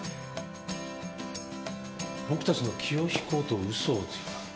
僕たちの気を引こうと嘘をついた。